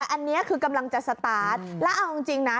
อันนี้คือกำลังจะสตาร์ทแล้วเอาจริงนะ